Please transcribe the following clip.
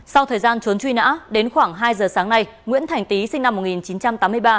sau thời gian trốn truy nã đến khoảng hai giờ sáng nay nguyễn thành tý sinh năm một nghìn chín trăm tám mươi ba